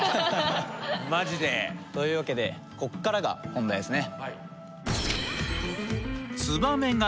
というわけでここからが本題ですね。